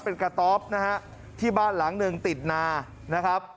เป็นกระต๊อบนะฮะที่บ้านหลังหนึ่งติดนานะครับ